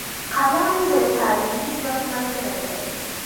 قلم د تعلیمي ژوند ملګری دی.